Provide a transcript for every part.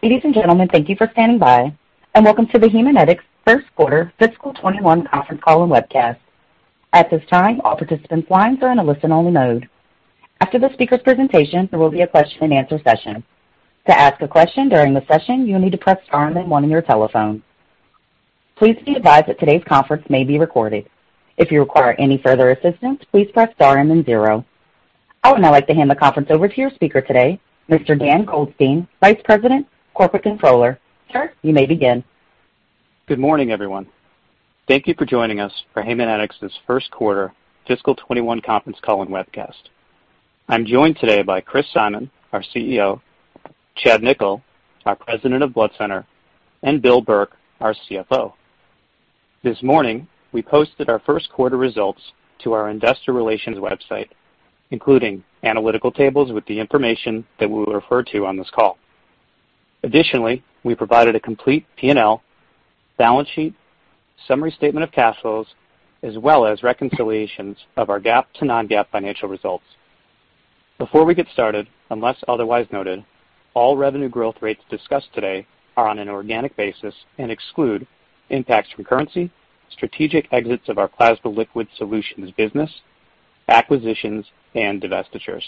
Ladies and gentlemen, thank you for standing by, and welcome to the Haemonetics First Quarter Fiscal 2021 Conference Call and Webcast. At this time, all participants' lines are in a listen-only mode. After the speaker presentation, there will be a question-and-answer session. To ask a question during the session, you will need to press star and then one on your telephone. Please be advised that today's conference may be recorded. If you require any further assistance, please press star and then zero. I would now like to hand the conference over to your speaker today, Mr. Dan Goldstein, Vice President, Corporate Controller. Sir, you may begin. Good morning, everyone. Thank you for joining us for Haemonetics' First Quarter Fiscal 2021 Conference Call and Webcast. I'm joined today by Chris Simon, our CEO, Chad Nikel, our President of Blood Center, and Bill Burke, our CFO. This morning, we posted our first quarter results to our investor relations website, including analytical tables with the information that we will refer to on this call. We provided a complete P&L, balance sheet, summary statement of cash flows, as well as reconciliations of our GAAP to non-GAAP financial results. Before we get started, unless otherwise noted, all revenue growth rates discussed today are on an organic basis and exclude impacts from currency, strategic exits of our Plasma Liquid Solutions business, acquisitions, and divestitures.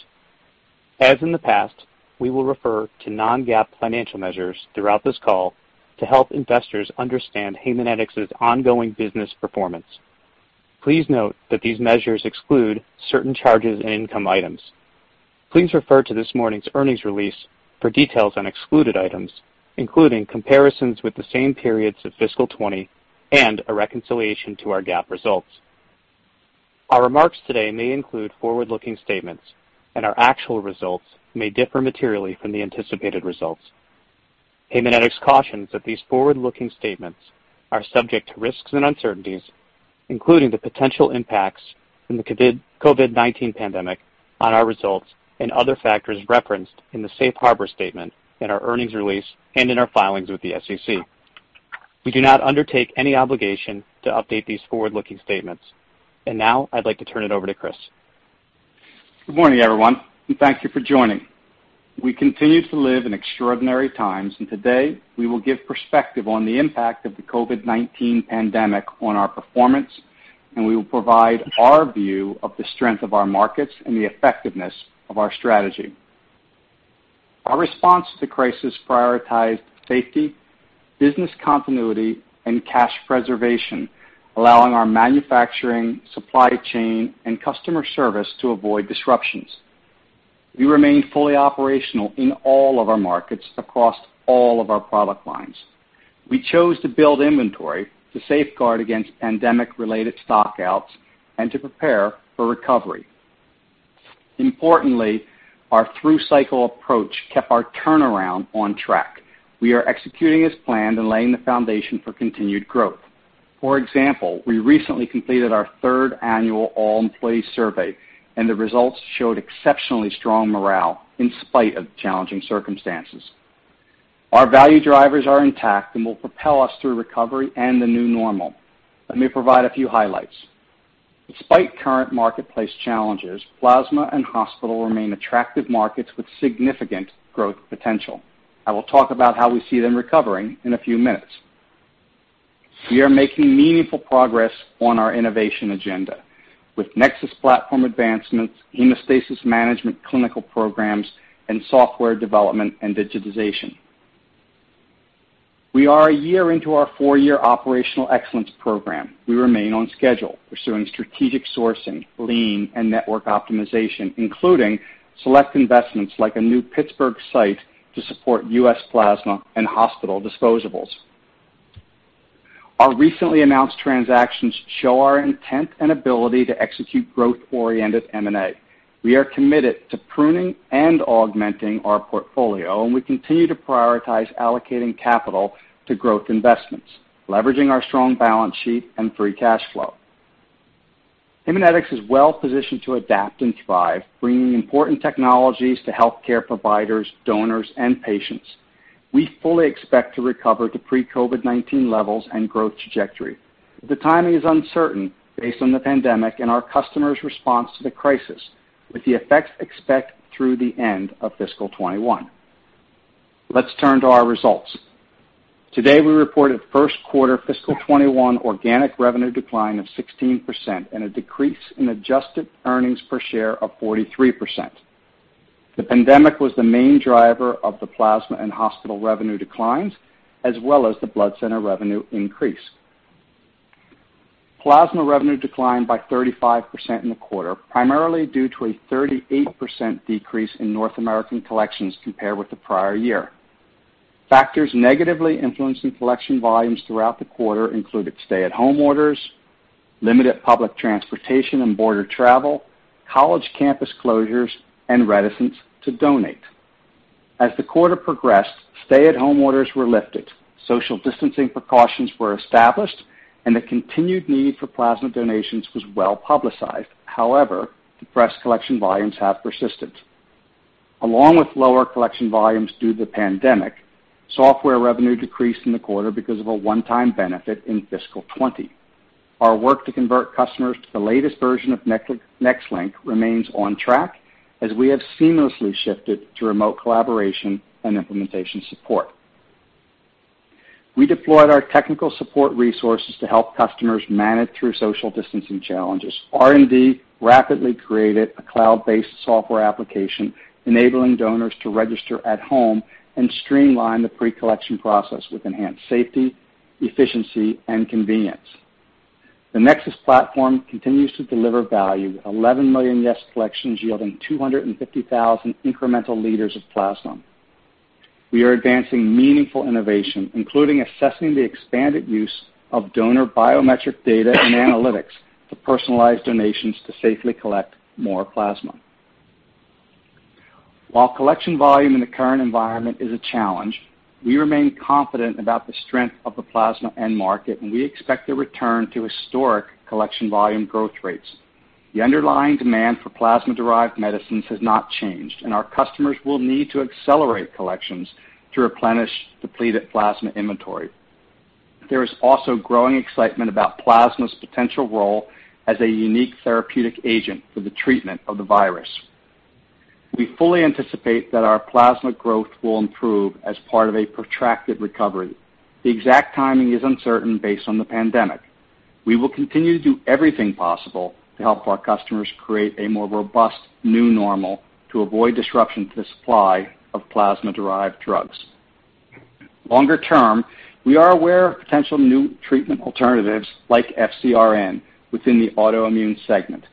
As in the past, we will refer to non-GAAP financial measures throughout this call to help investors understand Haemonetics' ongoing business performance. Please note that these measures exclude certain charges and income items. Please refer to this morning's earnings release for details on excluded items, including comparisons with the same periods of fiscal 2020 and a reconciliation to our GAAP results. Our remarks today may include forward-looking statements, and our actual results may differ materially from the anticipated results. Haemonetics cautions that these forward-looking statements are subject to risks and uncertainties, including the potential impacts from the COVID-19 pandemic on our results and other factors referenced in the safe harbor statement in our earnings release and in our filings with the SEC. We do not undertake any obligation to update these forward-looking statements. Now I'd like to turn it over to Chris. Good morning, everyone, and thank you for joining. We continue to live in extraordinary times, and today we will give perspective on the impact of the COVID-19 pandemic on our performance, and we will provide our view of the strength of our markets and the effectiveness of our strategy. Our response to the crisis prioritized safety, business continuity, and cash preservation, allowing our manufacturing, supply chain, and customer service to avoid disruptions. We remain fully operational in all of our markets across all of our product lines. We chose to build inventory to safeguard against pandemic-related stockouts and to prepare for recovery. Importantly, our through-cycle approach kept our turnaround on track. We are executing as planned and laying the foundation for continued growth. For example, we recently completed our third annual all-employee survey, and the results showed exceptionally strong morale in spite of challenging circumstances. Our value drivers are intact and will propel us through recovery and the new normal. Let me provide a few highlights. Despite current marketplace challenges, plasma and hospital remain attractive markets with significant growth potential. I will talk about how we see them recovering in a few minutes. We are making meaningful progress on our innovation agenda with NexSys PCS platform advancements, hemostasis management clinical programs, and software development and digitization. We are a year into our four-year operational excellence program. We remain on schedule pursuing strategic sourcing, lean, and network optimization, including select investments like a new Pittsburgh site to support U.S. Plasma and hospital disposables. Our recently announced transactions show our intent and ability to execute growth-oriented M&A. We are committed to pruning and augmenting our portfolio. We continue to prioritize allocating capital to growth investments, leveraging our strong balance sheet and free cash flow. Haemonetics is well positioned to adapt and thrive, bringing important technologies to healthcare providers, donors, and patients. We fully expect to recover to pre-COVID-19 levels and growth trajectory. The timing is uncertain based on the pandemic and our customers' response to the crisis, with the effects expected through the end of fiscal 2021. Let's turn to our results. Today, we reported first quarter fiscal 2021 organic revenue decline of 16% and a decrease in adjusted earnings per share of 43%. The pandemic was the main driver of the plasma and hospital revenue declines, as well as the blood center revenue increase. Plasma revenue declined by 35% in the quarter, primarily due to a 38% decrease in North American collections compared with the prior year. Factors negatively influencing collection volumes throughout the quarter included stay-at-home orders, limited public transportation and border travel, college campus closures, and reticence to donate. As the quarter progressed, stay-at-home orders were lifted, social distancing precautions were established, and the continued need for plasma donations was well-publicized. However, depressed collection volumes have persisted. Along with lower collection volumes due to the pandemic, software revenue decreased in the quarter because of a one-time benefit in fiscal 2020. Our work to convert customers to the latest version of NexLynk remains on track, as we have seamlessly shifted to remote collaboration and implementation support. We deployed our technical support resources to help customers manage through social distancing challenges. R&D rapidly created a cloud-based software application enabling donors to register at home and streamline the pre-collection process with enhanced safety, efficiency, and convenience. The NexSys PCS platform continues to deliver value, 11 million YES collections yielding 250,000 incremental liters of plasma. We are advancing meaningful innovation, including assessing the expanded use of donor biometric data and analytics to personalize donations to safely collect more plasma. While collection volume in the current environment is a challenge, we remain confident about the strength of the plasma end market, and we expect to return to historic collection volume growth rates. The underlying demand for plasma-derived medicines has not changed, and our customers will need to accelerate collections to replenish depleted plasma inventory. There is also growing excitement about plasma's potential role as a unique therapeutic agent for the treatment of the virus. We fully anticipate that our plasma growth will improve as part of a protracted recovery. The exact timing is uncertain based on the pandemic. We will continue to do everything possible to help our customers create a more robust new normal to avoid disruption to the supply of plasma-derived drugs. Longer term, we are aware of potential new treatment alternatives like FcRn within the autoimmune segment,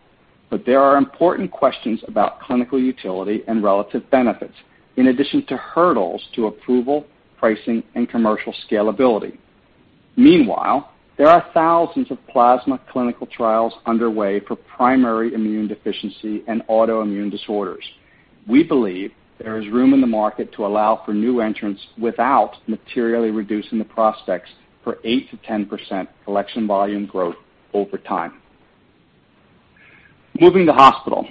but there are important questions about clinical utility and relative benefits, in addition to hurdles to approval, pricing, and commercial scalability. Meanwhile, there are thousands of plasma clinical trials underway for primary immune deficiency and autoimmune disorders. We believe there is room in the market to allow for new entrants without materially reducing the prospects for 8%-10% collection volume growth over time. Moving to hospital.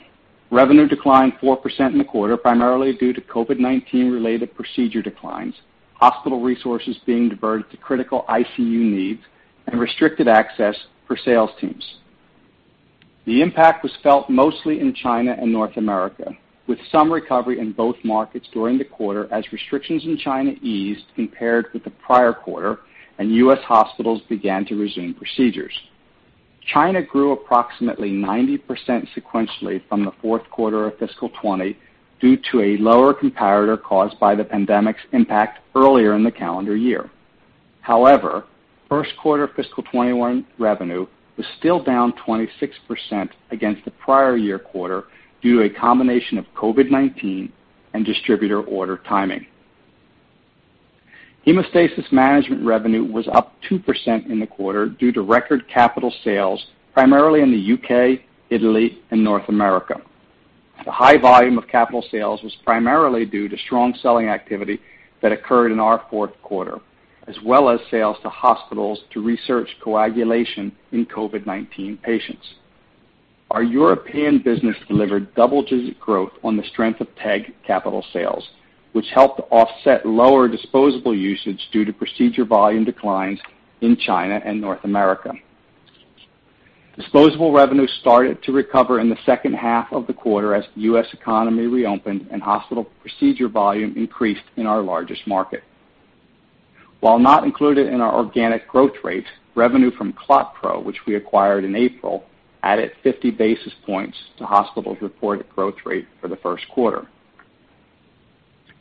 Revenue declined 4% in the quarter, primarily due to COVID-19 related procedure declines, hospital resources being diverted to critical ICU needs, and restricted access for sales teams. The impact was felt mostly in China and North America, with some recovery in both markets during the quarter as restrictions in China eased compared with the prior quarter and U.S. hospitals began to resume procedures. China grew approximately 90% sequentially from the fourth quarter of fiscal 2020 due to a lower comparator caused by the pandemic's impact earlier in the calendar year. However, first quarter fiscal 2021 revenue was still down 26% against the prior year quarter due to a combination of COVID-19 and distributor order timing. Hemostasis management revenue was up 2% in the quarter due to record capital sales, primarily in the U.K., Italy, and North America. The high volume of capital sales was primarily due to strong selling activity that occurred in our fourth quarter, as well as sales to hospitals to research coagulation in COVID-19 patients. Our European business delivered double-digit growth on the strength of TEG capital sales, which helped offset lower disposable usage due to procedure volume declines in China and North America. Disposable revenue started to recover in the second half of the quarter as the U.S. economy reopened and hospital procedure volume increased in our largest market. While not included in our organic growth rate, revenue from ClotPro, which we acquired in April, added 50 basis points to hospital's reported growth rate for the first quarter.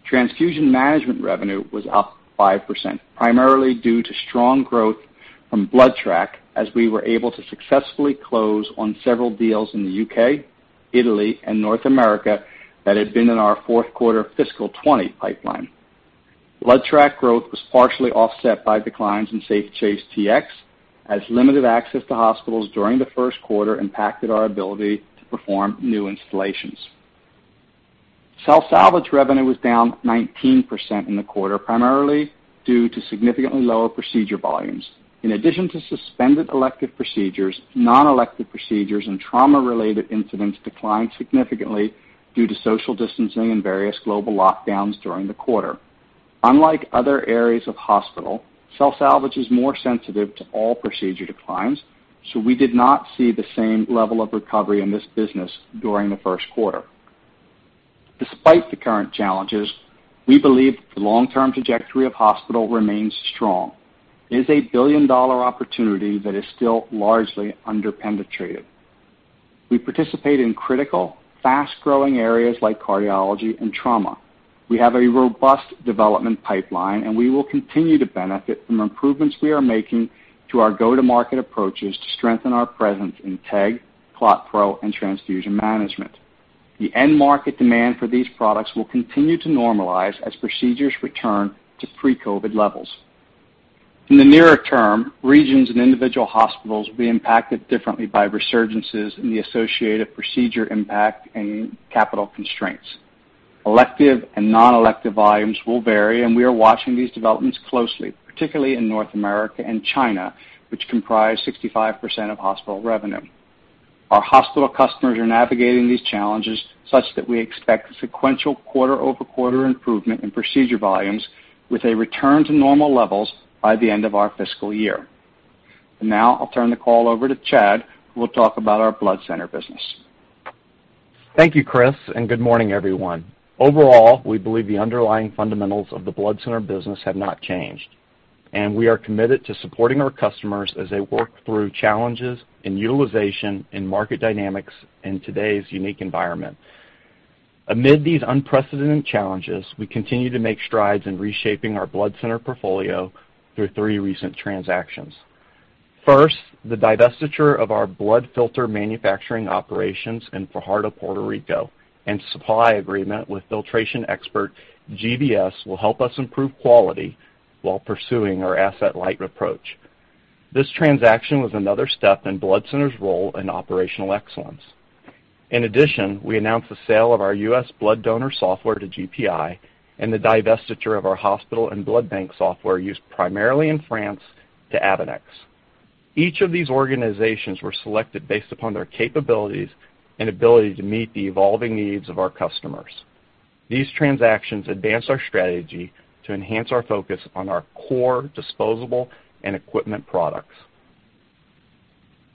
Transfusion management revenue was up 5%, primarily due to strong growth from BloodTrack as we were able to successfully close on several deals in the U.K., Italy, and North America that had been in our fourth quarter fiscal 2020 pipeline. BloodTrack growth was partially offset by declines in SafeTrace Tx as limited access to hospitals during the first quarter impacted our ability to perform new installations. Cell salvage revenue was down 19% in the quarter, primarily due to significantly lower procedure volumes. In addition to suspended elective procedures, non-elective procedures and trauma-related incidents declined significantly due to social distancing and various global lockdowns during the quarter. Unlike other areas of hospital, cell salvage is more sensitive to all procedure declines, so we did not see the same level of recovery in this business during the first quarter. Despite the current challenges, we believe the long-term trajectory of hospital remains strong. It is a billion-dollar opportunity that is still largely under-penetrated. We participate in critical, fast-growing areas like cardiology and trauma. We have a robust development pipeline, and we will continue to benefit from improvements we are making to our go-to-market approaches to strengthen our presence in TEG, ClotPro, and transfusion management. The end market demand for these products will continue to normalize as procedures return to pre-COVID levels. In the nearer term, regions and individual hospitals will be impacted differently by resurgences and the associated procedure impact and capital constraints. Elective and non-elective volumes will vary, and we are watching these developments closely, particularly in North America and China, which comprise 65% of hospital revenue. Our hospital customers are navigating these challenges such that we expect sequential quarter-over-quarter improvement in procedure volumes with a return to normal levels by the end of our fiscal year. Now I'll turn the call over to Chad, who will talk about our Blood Center business. Thank you, Chris. Good morning, everyone. Overall, we believe the underlying fundamentals of the Blood Center business have not changed, and we are committed to supporting our customers as they work through challenges in utilization and market dynamics in today's unique environment. Amid these unprecedented challenges, we continue to make strides in reshaping our Blood Center portfolio through three recent transactions. First, the divestiture of our blood filter manufacturing operations in Fajardo, Puerto Rico, and supply agreement with filtration expert GVS will help us improve quality while pursuing our asset-light approach. This transaction was another step in Blood Center's role in operational excellence. In addition, we announced the sale of our U.S. blood donor software to GPI and the divestiture of our hospital and blood bank software used primarily in France to Abénex. Each of these organizations were selected based upon their capabilities and ability to meet the evolving needs of our customers. These transactions advance our strategy to enhance our focus on our core disposable and equipment products.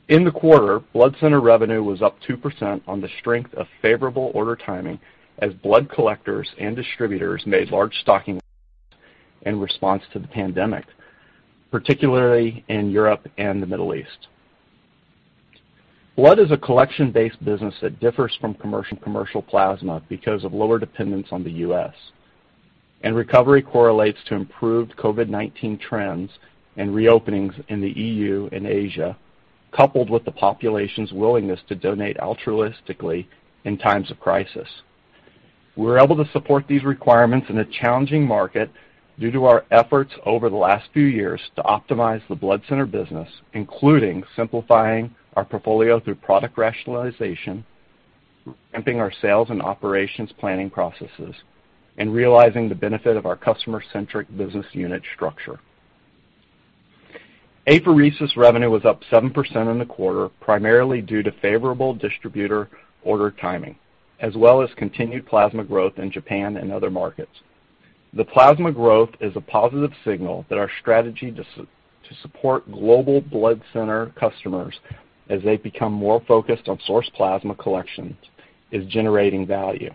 In the quarter, Blood Center revenue was up 2% on the strength of favorable order timing as blood collectors and distributors made large stocking orders in response to the pandemic, particularly in Europe and the Middle East. Blood is a collection-based business that differs from commercial plasma because of lower dependence on the U.S. Recovery correlates to improved COVID-19 trends and reopenings in the EU and Asia, coupled with the population's willingness to donate altruistically in times of crisis. We were able to support these requirements in a challenging market due to our efforts over the last few years to optimize the Blood Center business, including simplifying our portfolio through product rationalization, ramping our sales and operations planning processes, and realizing the benefit of our customer-centric business unit structure. Apheresis revenue was up 7% in the quarter, primarily due to favorable distributor order timing as well as continued plasma growth in Japan and other markets. The plasma growth is a positive signal that our strategy to support global Blood Center customers as they become more focused on source plasma collections is generating value.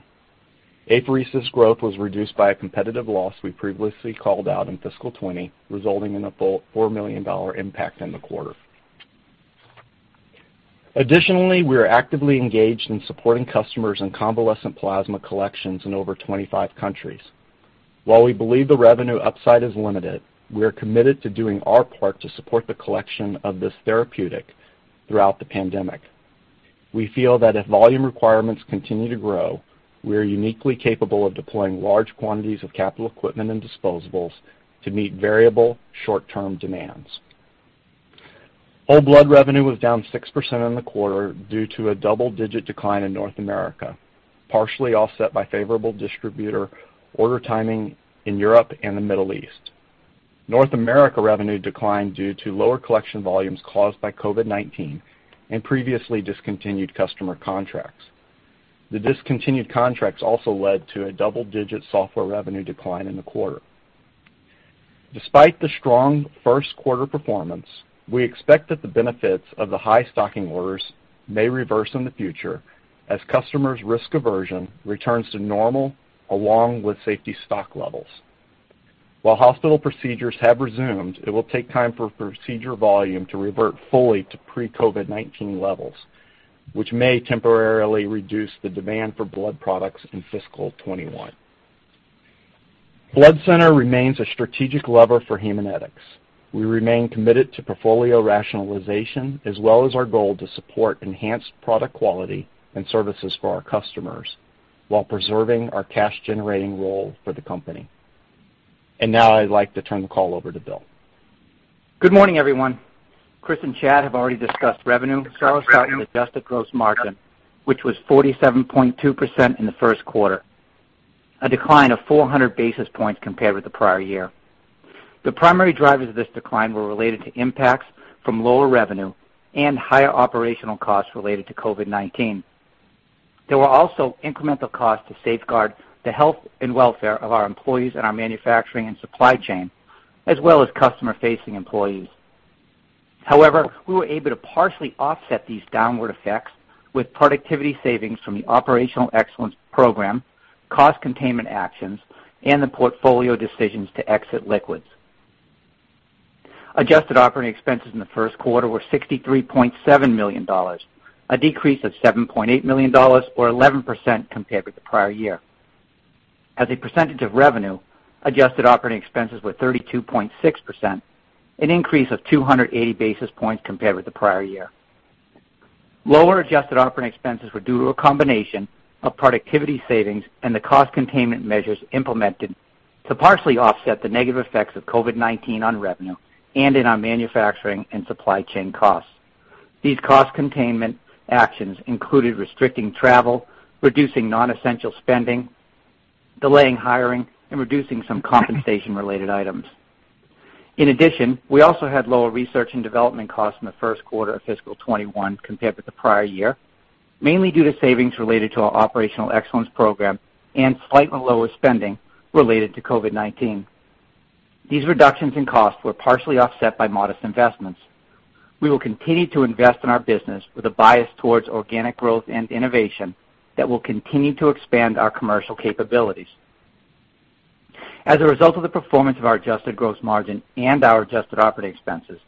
Apheresis growth was reduced by a competitive loss we previously called out in fiscal 2020, resulting in a $4 million impact in the quarter. Additionally, we are actively engaged in supporting customers in convalescent plasma collections in over 25 countries. While we believe the revenue upside is limited, we are committed to doing our part to support the collection of this therapeutic throughout the pandemic. We feel that if volume requirements continue to grow, we are uniquely capable of deploying large quantities of capital equipment and disposables to meet variable short-term demands. Whole blood revenue was down 6% in the quarter due to a double-digit decline in North America, partially offset by favorable distributor order timing in Europe and the Middle East. North America revenue declined due to lower collection volumes caused by COVID-19 and previously discontinued customer contracts. The discontinued contracts also led to a double-digit software revenue decline in the quarter. Despite the strong first quarter performance, we expect that the benefits of the high stocking orders may reverse in the future as customers' risk aversion returns to normal along with safety stock levels. While hospital procedures have resumed, it will take time for procedure volume to revert fully to pre-COVID-19 levels, which may temporarily reduce the demand for blood products in fiscal 2021. Blood Center remains a strategic lever for Haemonetics. We remain committed to portfolio rationalization as well as our goal to support enhanced product quality and services for our customers while preserving our cash-generating role for the company. Now I'd like to turn the call over to Bill. Good morning, everyone. Chris and Chad have already discussed revenue. I'll start with adjusted gross margin, which was 47.2% in the first quarter, a decline of 400 basis points compared with the prior year. The primary drivers of this decline were related to impacts from lower revenue and higher operational costs related to COVID-19. There were also incremental costs to safeguard the health and welfare of our employees and our manufacturing and supply chain, as well as customer-facing employees. We were able to partially offset these downward effects with productivity savings from the operational excellence program, cost containment actions, and the portfolio decisions to exit liquids. Adjusted operating expenses in the first quarter were $63.7 million, a decrease of $7.8 million or 11% compared with the prior year. As a percentage of revenue, adjusted operating expenses were 32.6%, an increase of 280 basis points compared with the prior year. Lower adjusted operating expenses were due to a combination of productivity savings and the cost containment measures implemented to partially offset the negative effects of COVID-19 on revenue and in our manufacturing and supply chain costs. These cost containment actions included restricting travel, reducing non-essential spending, delaying hiring, and reducing some compensation related items. We also had lower research and development costs in the first quarter of fiscal 2021 compared with the prior year, mainly due to savings related to our operational excellence program and slightly lower spending related to COVID-19. These reductions in costs were partially offset by modest investments. We will continue to invest in our business with a bias towards organic growth and innovation that will continue to expand our commercial capabilities. As a result of the performance of our adjusted gross margin and our adjusted operating expenses,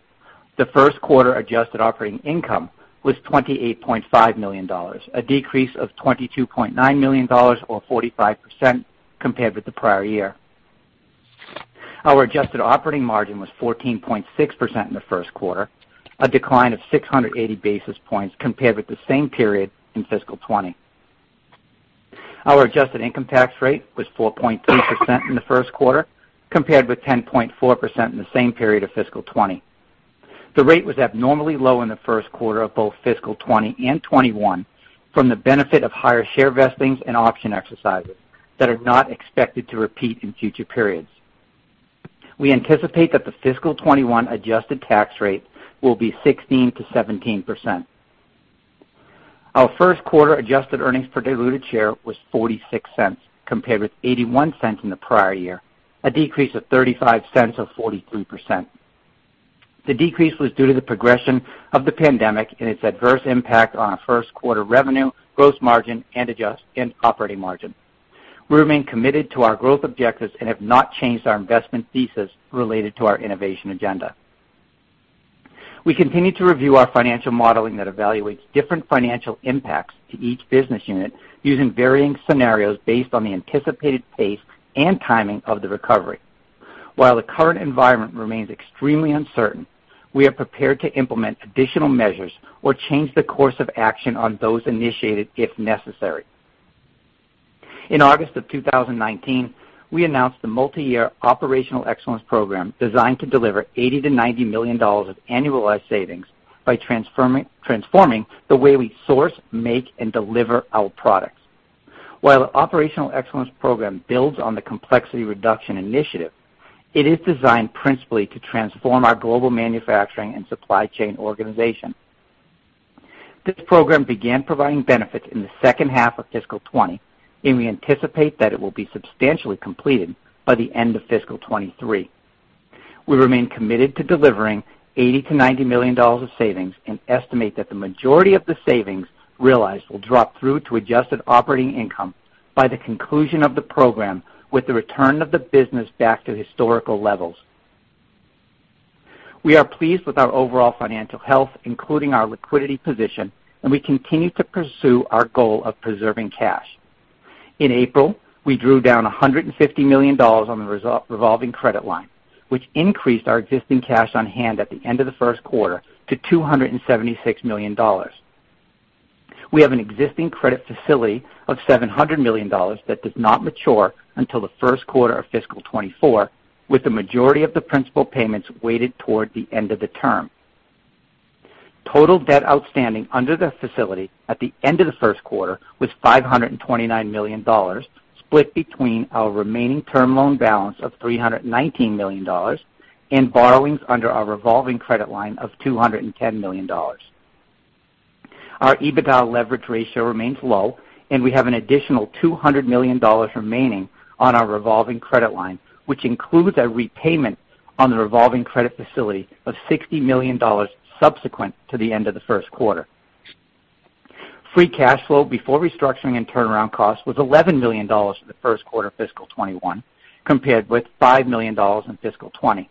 the first quarter adjusted operating income was $28.5 million, a decrease of $22.9 million or 45% compared with the prior year. Our adjusted operating margin was 14.6% in the first quarter, a decline of 680 basis points compared with the same period in fiscal 2020. Our adjusted income tax rate was 4.3% in the first quarter, compared with 10.4% in the same period of fiscal 2020. The rate was abnormally low in the first quarter of both fiscal 2020 and 2021 from the benefit of higher share vestings and option exercises that are not expected to repeat in future periods. We anticipate that the fiscal 2021 adjusted tax rate will be 16%-17%. Our first quarter adjusted earnings per diluted share was $0.46 compared with $0.81 in the prior year, a decrease of $0.35 or 43%. The decrease was due to the progression of the pandemic and its adverse impact on our first quarter revenue, gross margin and operating margin. We remain committed to our growth objectives and have not changed our investment thesis related to our innovation agenda. We continue to review our financial modeling that evaluates different financial impacts to each business unit using varying scenarios based on the anticipated pace and timing of the recovery. While the current environment remains extremely uncertain, we are prepared to implement additional measures or change the course of action on those initiated if necessary. In August 2019, we announced the multi-year Operational Excellence Program designed to deliver $80-90 million of annualized savings by transforming the way we source, make and deliver our products. While the Operational Excellence Program builds on the Complexity Reduction Initiative, it is designed principally to transform our global manufacturing and supply chain organization. This program began providing benefits in the second half of fiscal 2020, and we anticipate that it will be substantially completed by the end of fiscal 2023. We remain committed to delivering $80-90 million of savings and estimate that the majority of the savings realized will drop through to adjusted operating income by the conclusion of the program with the return of the business back to historical levels. We are pleased with our overall financial health, including our liquidity position, and we continue to pursue our goal of preserving cash. In April, we drew down $150 million on the revolving credit line, which increased our existing cash on hand at the end of the first quarter to $276 million. We have an existing credit facility of $700 million that does not mature until the first quarter of fiscal 2024, with the majority of the principal payments weighted toward the end of the term. Total debt outstanding under the facility at the end of the first quarter was $529 million, split between our remaining term loan balance of $319 million and borrowings under our revolving credit line of $210 million. Our EBITDA leverage ratio remains low, we have an additional $200 million remaining on our revolving credit line, which includes a repayment on the revolving credit facility of $60 million subsequent to the end of the first quarter. Free cash flow before restructuring and turnaround costs was $11 million in the first quarter of fiscal 2021, compared with $5 million in fiscal 2020.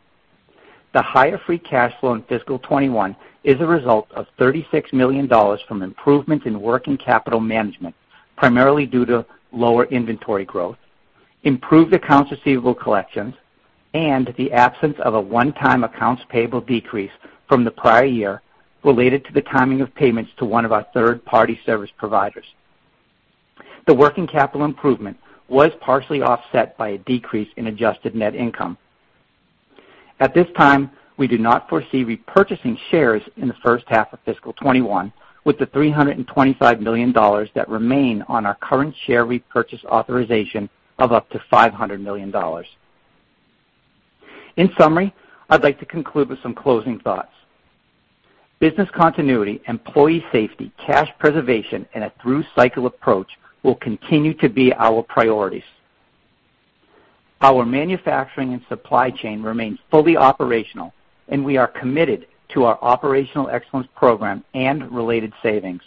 The higher free cash flow in fiscal 2021 is a result of $36 million from improvements in working capital management, primarily due to lower inventory growth, improved accounts receivable collections, and the absence of a one-time accounts payable decrease from the prior year related to the timing of payments to one of our third-party service providers. The working capital improvement was partially offset by a decrease in adjusted net income. At this time, we do not foresee repurchasing shares in the first half of fiscal 2021 with the $325 million that remain on our current share repurchase authorization of up to $500 million. In summary, I'd like to conclude with some closing thoughts. Business continuity, employee safety, cash preservation, and a through-cycle approach will continue to be our priorities. Our manufacturing and supply chain remains fully operational, and we are committed to our operational excellence program and related savings.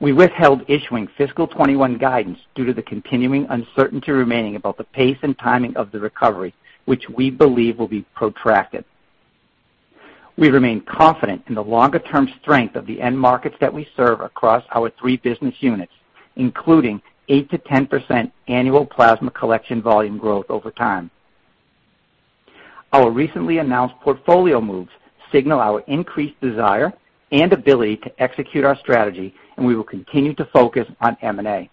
We withheld issuing fiscal 2021 guidance due to the continuing uncertainty remaining about the pace and timing of the recovery, which we believe will be protracted. We remain confident in the longer-term strength of the end markets that we serve across our three business units, including 8%-10% annual plasma collection volume growth over time. Our recently announced portfolio moves signal our increased desire and ability to execute our strategy, and we will continue to focus on M&A.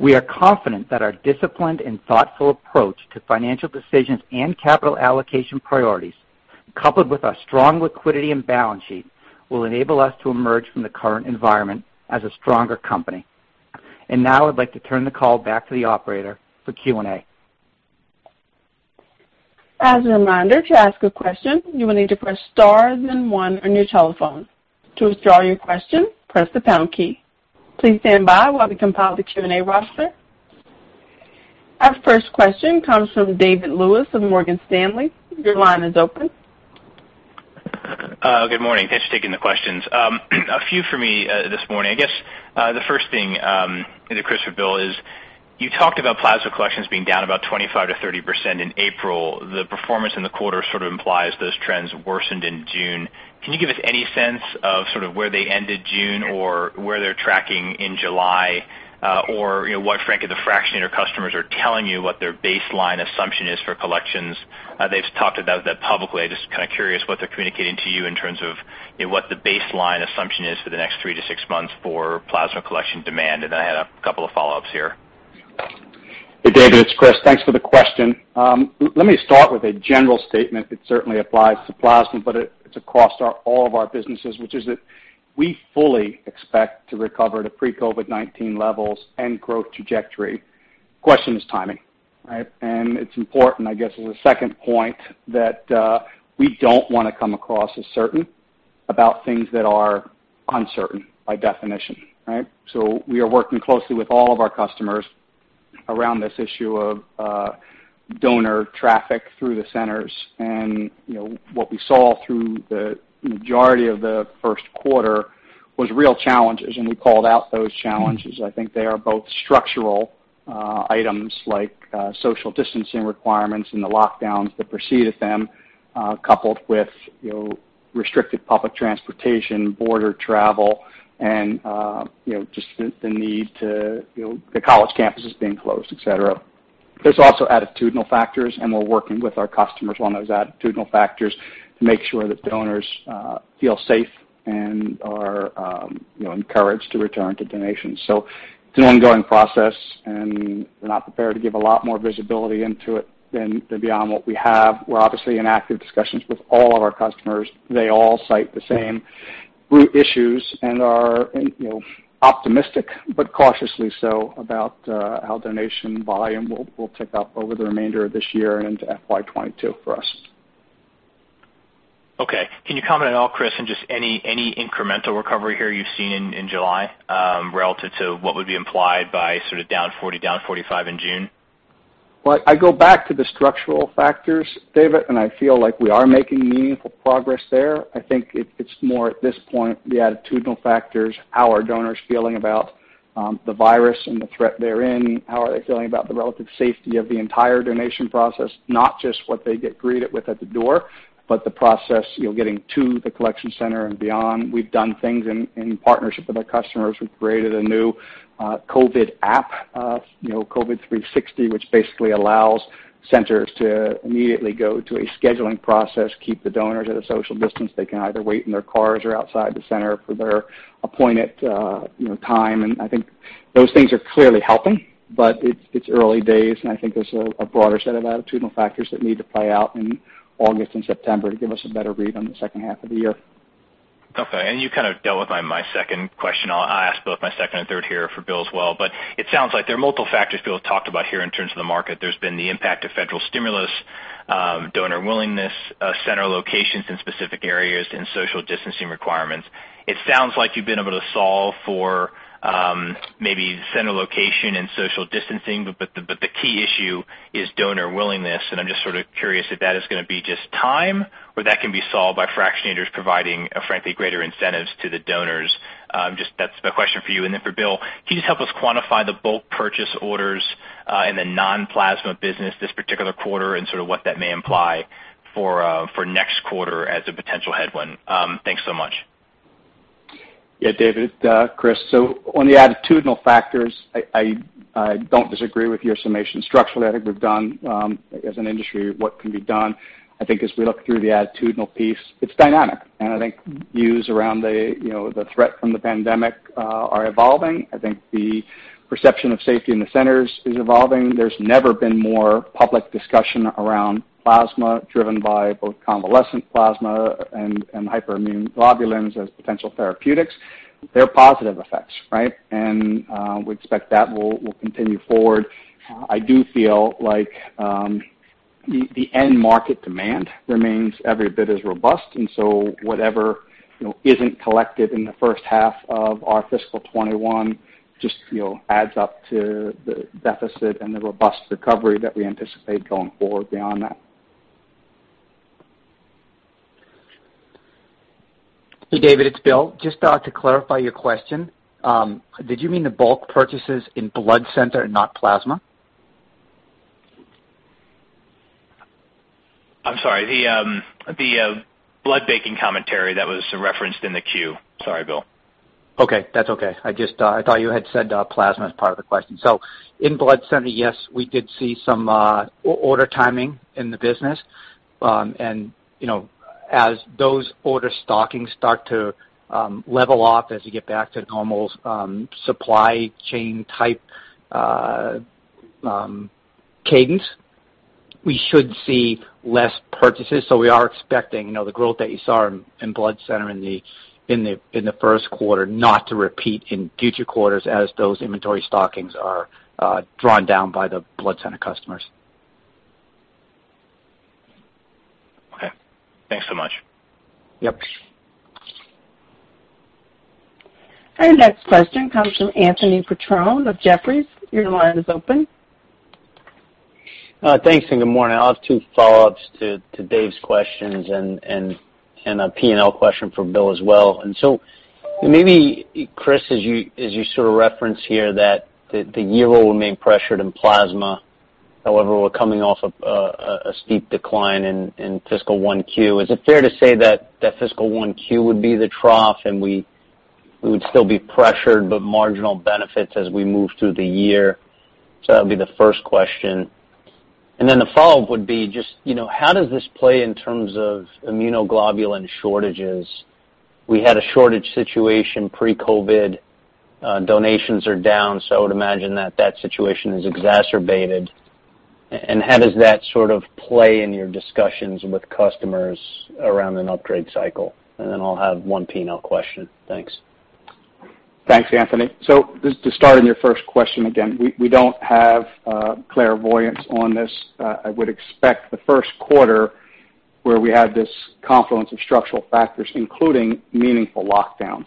We are confident that our disciplined and thoughtful approach to financial decisions and capital allocation priorities, coupled with our strong liquidity and balance sheet, will enable us to emerge from the current environment as a stronger company. Now I'd like to turn the call back to the operator for Q&A. As a reminder, to ask a question, you will need to press star then one on your telephone. To withdraw your question, press the pound key. Please stand by while we compile the Q&A roster. Our first question comes from David Lewis of Morgan Stanley. Your line is open. Good morning. Thanks for taking the questions. A few for me this morning. I guess, the first thing either Chris or Bill is, you talked about plasma collections being down about 25%-30% in April. The performance in the quarter sort of implies those trends worsened in June. Can you give us any sense of sort of where they ended June or where they're tracking in July? What, frankly, the fractionator customers are telling you what their baseline assumption is for collections. They've talked about that publicly. I'm just kind of curious what they're communicating to you in terms of what the baseline assumption is for the next three to six months for plasma collection demand. I had a couple of follow-ups here. Hey, David, it's Chris. Thanks for the question. Let me start with a general statement. It certainly applies to plasma, but it's across all of our businesses, which is that we fully expect to recover to pre-COVID-19 levels and growth trajectory. Question is timing, right? It's important, I guess, as a second point that we don't want to come across as certain about things that are uncertain by definition, right? We are working closely with all of our customers around this issue of donor traffic through the centers. What we saw through the majority of the first quarter was real challenges, and we called out those challenges. I think they are both structural items like social distancing requirements and the lockdowns that preceded them, coupled with restricted public transportation, border travel, and just the college campuses being closed, et cetera. There's also attitudinal factors, and we're working with our customers on those attitudinal factors to make sure that donors feel safe and are encouraged to return to donations. It's an ongoing process, and we're not prepared to give a lot more visibility into it than beyond what we have. We're obviously in active discussions with all of our customers. They all cite the same root issues and are optimistic, but cautiously so, about how donation volume will pick up over the remainder of this year and into FY 2022 for us. Okay. Can you comment at all, Chris, on just any incremental recovery here you've seen in July, relative to what would be implied by sort of down 40%, down 45% in June? Well, I go back to the structural factors, David, and I feel like we are making meaningful progress there. I think it's more at this point, the attitudinal factors, how are donors feeling about the virus and the threat they're in, how are they feeling about the relative safety of the entire donation process, not just what they get greeted with at the door, but the process getting to the collection center and beyond. We've done things in partnership with our customers. We've created a new COVID app, COVID 360, which basically allows centers to immediately go to a scheduling process, keep the donors at a social distance. They can either wait in their cars or outside the center for their appointed time. I think those things are clearly helping, but it's early days, and I think there's a broader set of attitudinal factors that need to play out in August and September to give us a better read on the second half of the year. Okay. You kind of dealt with my second question. I'll ask both my second and third here for Bill as well. It sounds like there are multiple factors Bill talked about here in terms of the market. There's been the impact of federal stimulus, donor willingness, center locations in specific areas and social distancing requirements. It sounds like you've been able to solve for maybe center location and social distancing. The key issue is donor willingness. I'm just sort of curious if that is going to be just time or that can be solved by fractionators providing, frankly, greater incentives to the donors. That's the question for you. Then for Bill, can you just help us quantify the bulk purchase orders in the non-plasma business this particular quarter and sort of what that may imply for next quarter as a potential headwind? Thanks so much. Yeah, David, Chris. On the attitudinal factors, I don't disagree with your summation. Structurally, I think we've done as an industry what can be done. I think as we look through the attitudinal piece, it's dynamic. I think views around the threat from the pandemic are evolving. I think the perception of safety in the centers is evolving. There's never been more public discussion around plasma driven by both convalescent plasma and hyperimmune globulins as potential therapeutics. They're positive effects, right? We expect that will continue forward. I do feel like the end market demand remains every bit as robust, and so whatever isn't collected in the first half of our fiscal 2021 just adds up to the deficit and the robust recovery that we anticipate going forward beyond that. Hey, David, it's Bill. Just to clarify your question, did you mean the bulk purchases in blood center and not plasma? I'm sorry. The blood banking commentary that was referenced in the queue. Sorry, Bill. Okay. That's okay. I thought you had said plasma as part of the question. In blood center, yes, we did see some order timing in the business. As those order stockings start to level off as you get back to normal supply chain type cadence. We should see less purchases. We are expecting the growth that you saw in blood center in the first quarter not to repeat in future quarters as those inventory stockings are drawn down by the blood center customers. Okay. Thanks so much. Yep. Our next question comes from Anthony Petrone of Jefferies. Your line is open. Thanks, and good morning. I'll have two follow-ups to Dave's questions and a P&L question for Bill as well. Maybe, Chris, as you sort of referenced here that the year will remain pressured in plasma, however, we're coming off a steep decline in fiscal 1Q. Is it fair to say that fiscal 1Q would be the trough, and we would still be pressured but marginal benefits as we move through the year? That'll be the first question. The follow-up would be just, how does this play in terms of immunoglobulin shortages? We had a shortage situation pre-COVID. Donations are down, so I would imagine that that situation is exacerbated. How does that sort of play in your discussions with customers around an upgrade cycle? Then I'll have one P&L question. Thanks. Thanks, Anthony. Just to start on your first question, again, we don't have clairvoyance on this. I would expect the first quarter, where we had this confluence of structural factors, including meaningful lockdowns.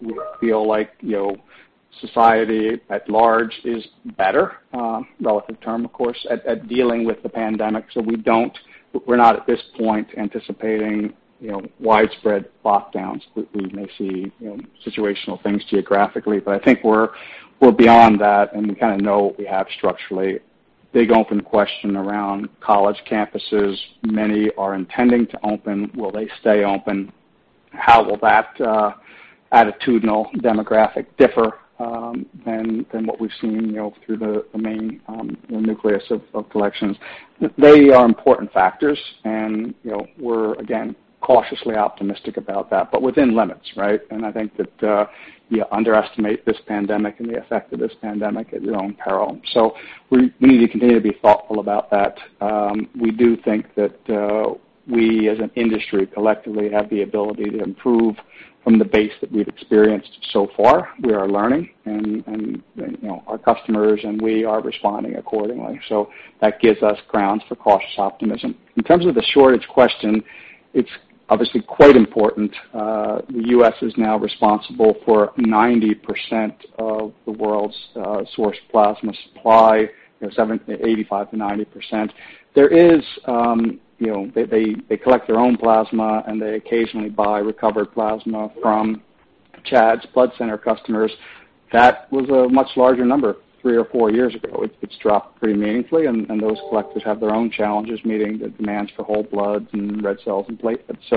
We feel like society at large is better, relative term, of course, at dealing with the pandemic. We're not at this point anticipating widespread lockdowns. We may see situational things geographically, but I think we're beyond that, and we kind of know what we have structurally. Big open question around college campuses. Many are intending to open. Will they stay open? How will that attitudinal demographic differ than what we've seen through the main nucleus of collections? They are important factors, and we're, again, cautiously optimistic about that, but within limits. I think that you underestimate this pandemic and the effect of this pandemic at your own peril. We need to continue to be thoughtful about that. We do think that we, as an industry, collectively, have the ability to improve from the base that we've experienced so far. We are learning, our customers and we are responding accordingly. That gives us grounds for cautious optimism. In terms of the shortage question, it's obviously quite important. The U.S. is now responsible for 90% of the world's source plasma supply, 85%-90%. They collect their own plasma, they occasionally buy recovered plasma from Chad's blood center customers. That was a much larger number three or four years ago. It's dropped pretty meaningfully, those collectors have their own challenges meeting the demands for whole bloods and red cells and platelets.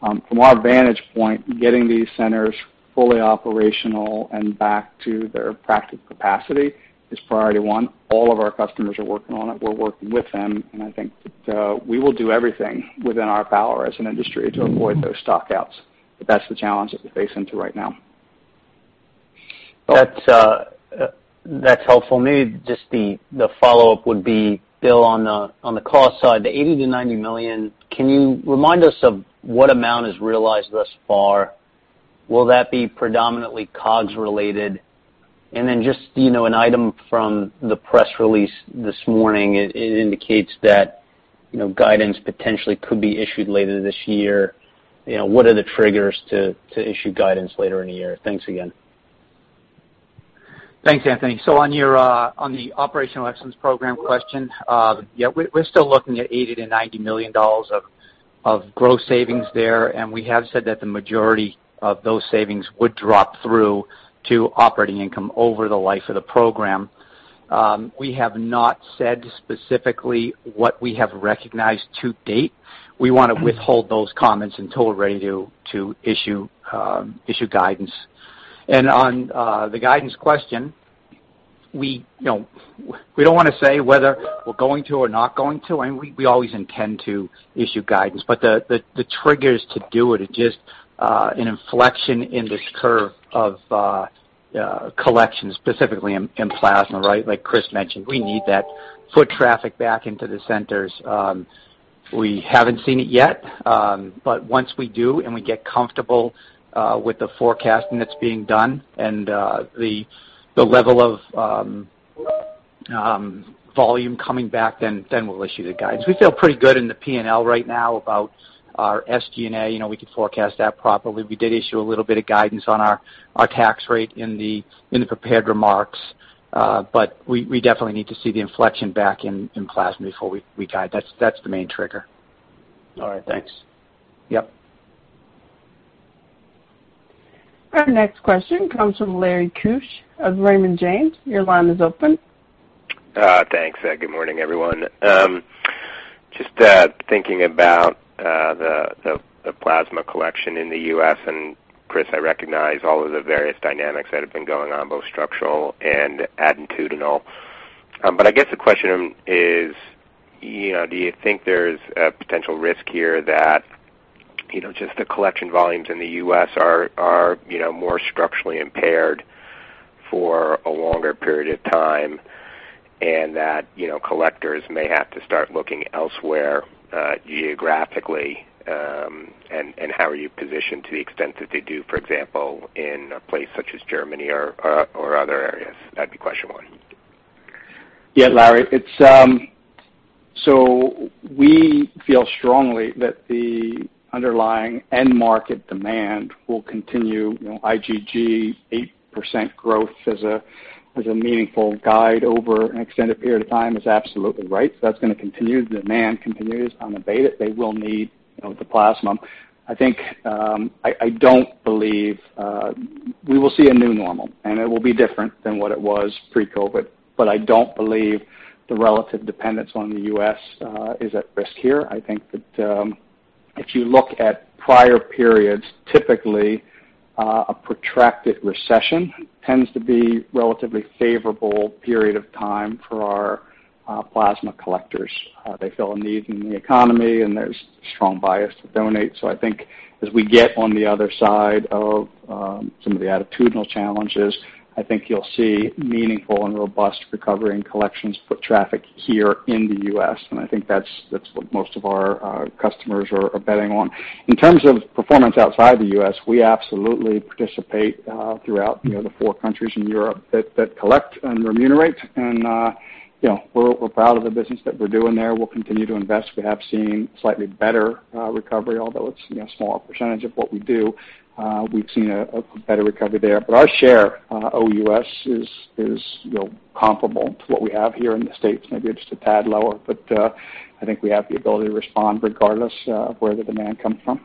From our vantage point, getting these centers fully operational and back to their practical capacity is priority one. All of our customers are working on it. We're working with them, I think that we will do everything within our power as an industry to avoid those stock-outs. That's the challenge that we face into right now. That's helpful. Maybe just the follow-up would be, Bill, on the cost side, the $80-90 million, can you remind us of what amount is realized thus far? Will that be predominantly COGS related? Just an item from the press release this morning, it indicates that guidance potentially could be issued later this year. What are the triggers to issue guidance later in the year? Thanks again. Thanks, Anthony. On the Operational Excellence program question, yeah, we're still looking at $80-90 million of gross savings there, and we have said that the majority of those savings would drop through to operating income over the life of the program. We have not said specifically what we have recognized to date. We want to withhold those comments until we're ready to issue guidance. On the guidance question, we don't want to say whether we're going to or not going to, and we always intend to issue guidance. The triggers to do it are just an inflection in this curve of collections, specifically in plasma. Like Chris mentioned, we need that foot traffic back into the centers. We haven't seen it yet. Once we do and we get comfortable with the forecasting that's being done and the level of volume coming back, then we'll issue the guidance. We feel pretty good in the P&L right now about our SG&A. We could forecast that properly. We did issue a little bit of guidance on our tax rate in the prepared remarks. We definitely need to see the inflection back in plasma before we guide. That's the main trigger. All right. Thanks. Yep. Our next question comes from Larry Keusch of Raymond James. Your line is open. Thanks. Good morning, everyone. Just thinking about the plasma collection in the U.S., Chris, I recognize all of the various dynamics that have been going on, both structural and attitudinal. I guess the question is: Do you think there's a potential risk here that just the collection volumes in the U.S. are more structurally impaired for a longer period of time, and that collectors may have to start looking elsewhere geographically. How are you positioned to the extent that they do, for example, in a place such as Germany or other areas? That'd be question one. Yeah, Larry. We feel strongly that the underlying end market demand will continue. IgG 8% growth as a meaningful guide over an extended period of time is absolutely right. That's going to continue. Demand continues unabated. They will need the plasma. I think we will see a new normal, and it will be different than what it was pre-COVID, but I don't believe the relative dependence on the U.S. is at risk here. I think that if you look at prior periods, typically, a protracted recession tends to be relatively favorable period of time for our plasma collectors. They fill a need in the economy and there's strong bias to donate. I think as we get on the other side of some of the attitudinal challenges, I think you'll see meaningful and robust recovery in collections foot traffic here in the U.S., and I think that's what most of our customers are betting on. In terms of performance outside the U.S., we absolutely participate throughout the four countries in Europe that collect and remunerate, and we're proud of the business that we're doing there. We'll continue to invest. We have seen slightly better recovery, although it's a smaller percentage of what we do. We've seen a better recovery there. Our share OUS is comparable to what we have here in the States, maybe just a tad lower. I think we have the ability to respond regardless of where the demand comes from.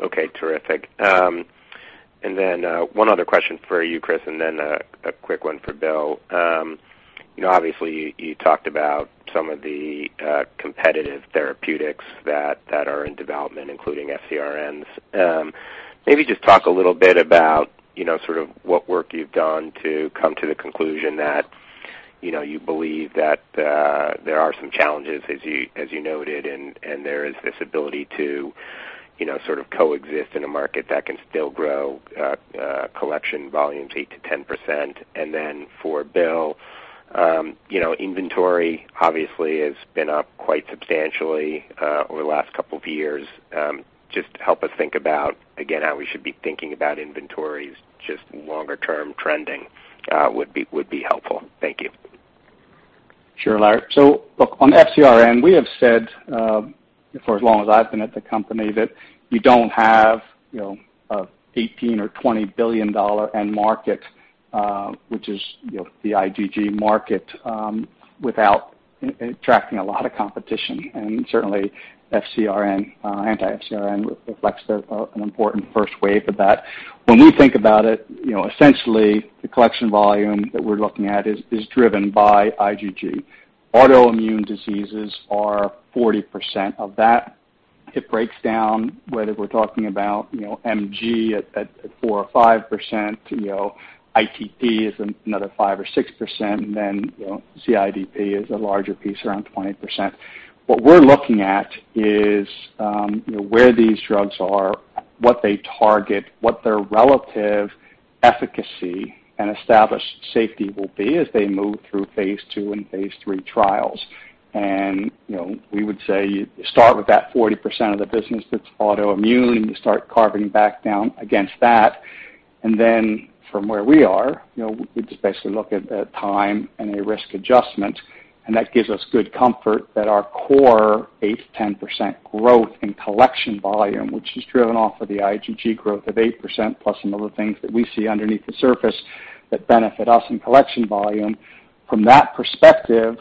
Okay, terrific. One other question for you, Chris, then a quick one for Bill. You talked about some of the competitive therapeutics that are in development, including FcRns. Maybe just talk a little bit about sort of what work you've done to come to the conclusion that you believe that there are some challenges, as you noted, and there is this ability to sort of coexist in a market that can still grow collection volumes 8%-10%. For Bill, inventory obviously has been up quite substantially over the last couple of years. Help us think about, again, how we should be thinking about inventories, longer term trending would be helpful. Thank you. Sure, Larry. Look, on FcRn, we have said for as long as I've been at the company that you don't have a $18 or $20 billion end market, which is the IgG market, without attracting a lot of competition. Certainly, anti-FcRn reflects an important first wave of that. When we think about it, essentially, the collection volume that we're looking at is driven by IgG. Autoimmune diseases are 40% of that. It breaks down whether we're talking about MG at 4% or 5%, ITP is another 5% or 6%, and then CIDP is a larger piece, around 20%. What we're looking at is where these drugs are, what they target, what their relative efficacy and established safety will be as they move through phase II and phase III trials. We would say start with that 40% of the business that is autoimmune, and you start carving back down against that. From where we are, we just basically look at time and a risk adjustment, and that gives us good comfort that our core 8%-10% growth in collection volume, which is driven off of the IgG growth of 8% plus some other things that we see underneath the surface that benefit us in collection volume. From that perspective,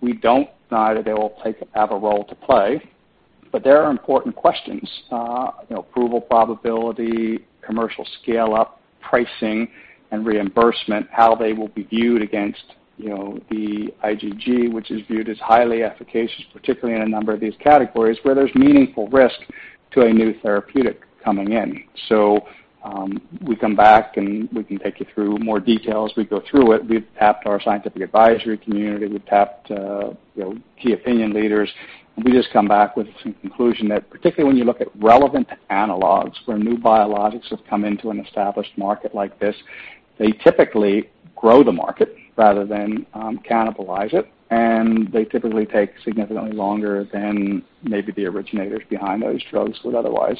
we do not deny that they will have a role to play, but there are important questions. Approval probability, commercial scale-up, pricing and reimbursement, how they will be viewed against the IgG, which is viewed as highly efficacious, particularly in a number of these categories where there is meaningful risk to a new therapeutic coming in. We come back and we can take you through more details. We go through it. We've tapped our scientific advisory community. We've tapped key opinion leaders. We just come back with the same conclusion that particularly when you look at relevant analogs where new biologics have come into an established market like this, they typically grow the market rather than cannibalize it, and they typically take significantly longer than maybe the originators behind those drugs would otherwise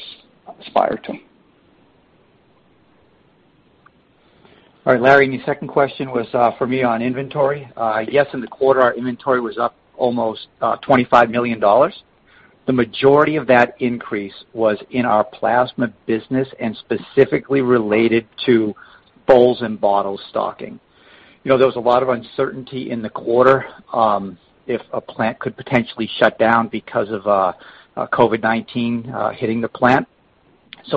aspire to. All right, Larry, the second question was for me on inventory. Yes, in the quarter, our inventory was up almost $25 million. The majority of that increase was in our plasma business specifically related to bowls and bottle stocking. There was a lot of uncertainty in the quarter if a plant could potentially shut down because of COVID-19 hitting the plant.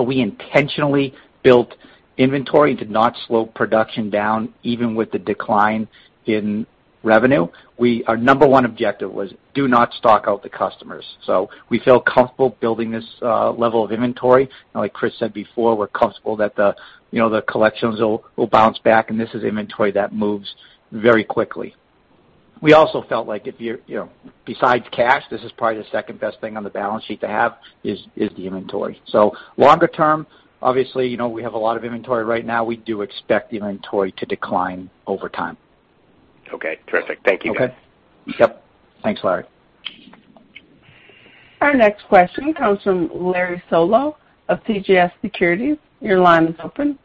We intentionally built inventory and did not slow production down even with the decline in revenue. Our number one objective was do not stock out the customers. We feel comfortable building this level of inventory. Like Chris said before, we're comfortable that the collections will bounce back and this is inventory that moves very quickly. We also felt like besides cash, this is probably the second-best thing on the balance sheet to have is the inventory. Longer term, obviously, we have a lot of inventory right now. We do expect inventory to decline over time. Okay, terrific. Thank you. Okay. Yep. Thanks, Larry. Our next question comes from Larry Solow of CJS Securities. Your line is open.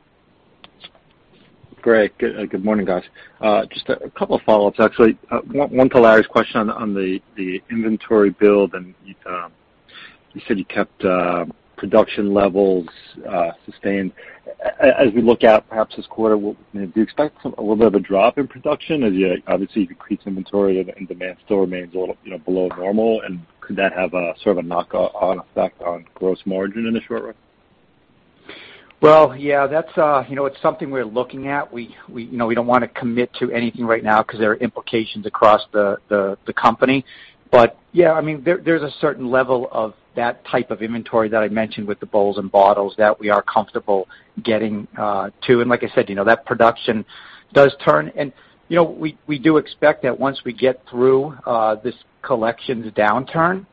Great. Good morning, guys. Just a couple of follow-ups, actually. One to Larry's question on the inventory build, and you said you kept production levels sustained. As we look out perhaps this quarter, do you expect a little bit of a drop in production as you obviously decrease inventory and demand still remains a little below normal? Could that have a sort of a knock-on effect on gross margin in the short run? Well, yeah. It's something we're looking at. We don't want to commit to anything right now because there are implications across the company. Yeah, there's a certain level of that type of inventory that I mentioned with the bowls and bottles that we are comfortable getting to. Like I said, that production does turn, and we do expect that once we get through this collections downturn